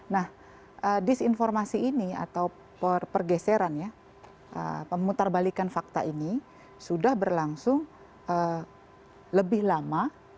nah disinformasi ini atau pergeseran ya pemutarbalikan fakta ini sudah berlangsung lebih lama